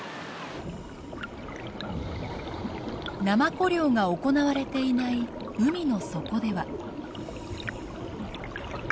ナマコ漁が行われていない海の底では。